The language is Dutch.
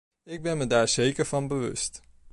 Ik ben me daar zeker van bewust.